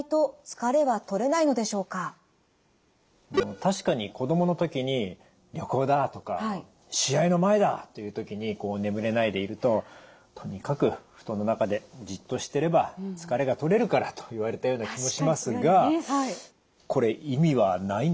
確かに子供の時に「旅行だ」とか「試合の前だ」という時に眠れないでいると「とにかく布団の中でじっとしてれば疲れがとれるから」と言われたような気もしますがこれ意味はないんでしょうか？